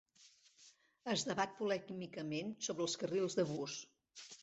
Es debat polèmicament sobre els carrils de bus.